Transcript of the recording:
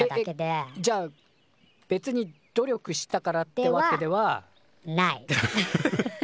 えっえっじゃあべつに努力したからってわけでは。ではない。